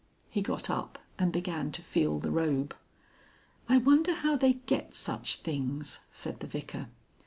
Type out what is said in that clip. He got up and began to feel the robe. "I wonder how they get such things," said the Vicar.